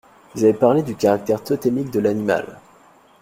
Vous avez parlé du caractère totémique de l’animal.